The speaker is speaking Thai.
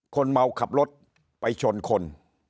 คนเมาขับรถไปชนคน